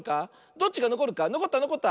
どっちがのこるか⁉のこったのこった！